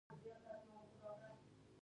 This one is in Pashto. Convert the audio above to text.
په پایله کې د ګټې بیه هم پنځه ویشت سلنه کېږي